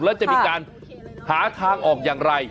แล้วจะมีการหาทางออกอย่างไร